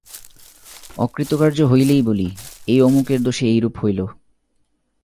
অকৃতকার্য হইলেই বলি, এই অমুকের দোষে এইরূপ হইল।